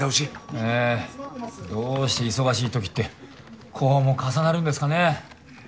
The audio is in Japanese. ええ。どうして忙しい時ってこうも重なるんですかね。